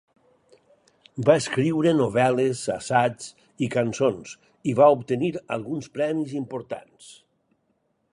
Va escriure novel·les, assaigs i cançons, i va obtenir alguns premis importants.